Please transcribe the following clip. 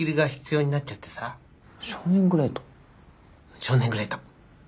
少年グレート？